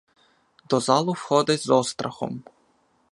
До залу входить з острахом.